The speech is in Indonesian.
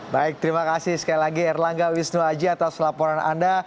baik terima kasih sekali lagi erlangga wisnu aji atas laporan anda